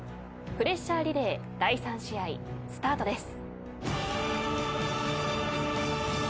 プレッシャーリレー第３試合スタートです。